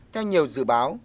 theo nhiều dự báo